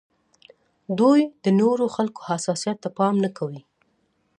دوی د نورو خلکو حساسیت ته پام نه کوي.